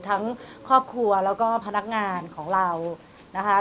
ทั้งครอบครัวแล้วก็พนักงานของเรานะคะ